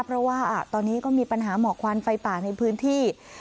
เพราะว่าตอนนี้ก็มีปัญหาหมอกควันไฟป่าในพื้นที่